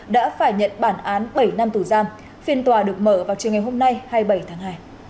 đã phải nhận bản án bảy năm tù giam phiên tòa được mở vào chiều ngày hôm nay hai mươi bảy tháng hai